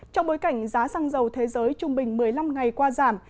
trong bối cảnh giá xăng dầu thế giới trung bình một mươi năm ngày qua giảm